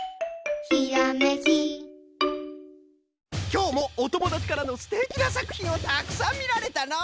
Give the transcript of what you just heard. きょうもおともだちからのすてきなさくひんをたくさんみられたの！